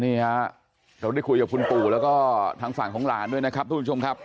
นี่ฮะเราได้คุยกับคุณปู่แล้วก็ทางฝั่งของหลานด้วยนะครับทุกผู้ชมครับ